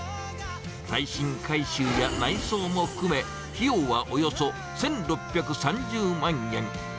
耐震改修や内装も含め、費用はおよそ１６３０万円。